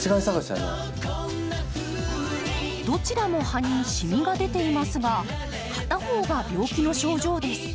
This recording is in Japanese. どちらも葉にしみが出ていますが片方が病気の症状です。